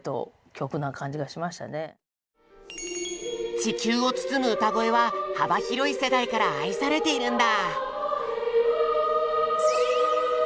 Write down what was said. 「地球をつつむ歌声」は幅広い世代から愛されているんだ。